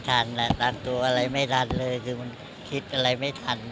อย่างเมื่อเราคราวจากตั้งก็ไม่ทันแล้วตัดตัวกันอะไรไม่ทันเลย